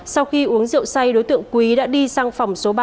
hai nghìn hai mươi một sau khi uống rượu say đối tượng quý đã đi sang phòng số ba